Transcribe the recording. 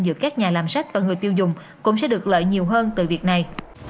giữa các nhà làm sách và người tiêu dùng cũng sẽ được lợi nhiều hơn từ việc này